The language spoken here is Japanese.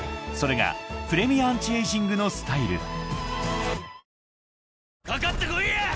［それがプレミアアンチエイジングのスタイル］